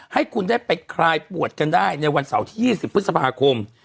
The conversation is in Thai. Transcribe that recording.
ให้คุณได้ไปคลายปวดกันได้ในวันเสาร์ที่๒๐พฤษภาคม